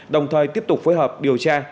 đồng thời tiếp tục phối hợp điều tra